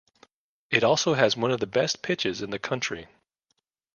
It also has one of the best pitches in the country.